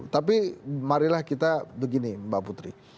tapi marilah kita begini mbak putri